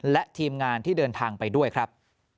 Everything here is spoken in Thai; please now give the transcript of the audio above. และทีมงานที่เดินทางไปด้วยครับ